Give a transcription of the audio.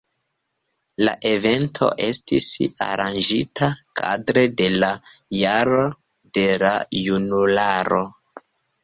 La evento estis aranĝita kadre de la Jaro de la Junularo.